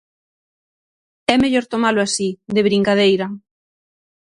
"É mellor tomalo así, de brincadeira".